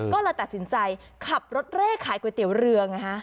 ก็เลยตัดสินใจขับรถเร่ขายก๋วยเตี๋ยวเรือไงฮะ